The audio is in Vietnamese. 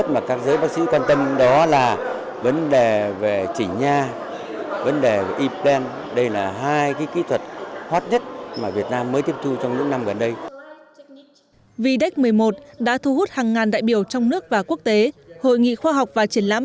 viet một mươi một đã thu hút hàng ngàn đại biểu trong nước và quốc tế hội nghị khoa học và triển lãm